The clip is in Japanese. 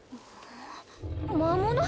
魔物！？